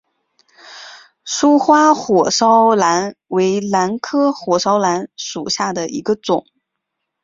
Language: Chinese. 疏花火烧兰为兰科火烧兰属下的一个种。